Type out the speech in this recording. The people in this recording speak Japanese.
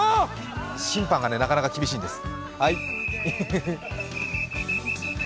審判がなかなか厳しいんです。